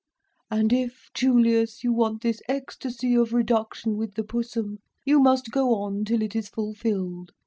'And if, Julius, you want this ecstasy of reduction with the Pussum, you must go on till it is fulfilled.